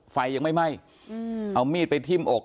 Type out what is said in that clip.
ไฟยังไม่ไหม้เอามีดไปทิ่มอก